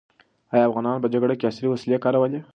ایا افغانانو په جګړه کې عصري وسلې کارولې؟